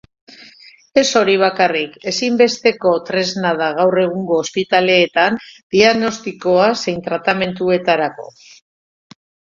Ez hori bakarrik, ezinbesteko tresna da gaur egungo ospitaleetan diagnostiko zein tratamenduetarako.